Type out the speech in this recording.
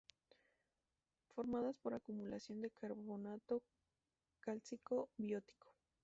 Formadas por acumulación de carbonato cálcico biótico.